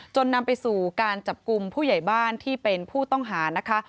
นำไปสู่การจับกลุ่มผู้ใหญ่บ้านที่เป็นผู้ต้องหานะคะ